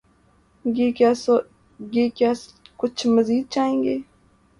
گے یا کچھ مزید چاہیں گے؟